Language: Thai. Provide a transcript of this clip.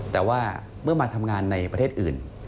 แต่ว่าเมื่อมาทำงานในประเทศอื่น